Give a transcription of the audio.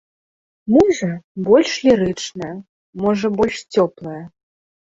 Можа, больш лірычная, можа, больш цёплая.